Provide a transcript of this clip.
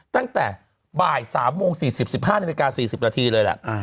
ตั้งแต่บ่ายสามโมงสี่สิบสิบห้านาฬิกาสี่สิบนาทีเลยแหละอ่าฮะ